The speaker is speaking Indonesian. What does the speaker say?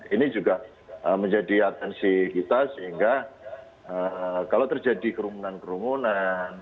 ini juga menjadi atensi kita sehingga kalau terjadi kerumunan kerumunan